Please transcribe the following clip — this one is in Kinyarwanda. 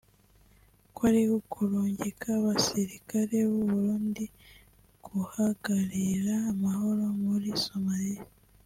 kwari ukurungika abasirikare b'u Burundi guhagararira amahoro muri Somalia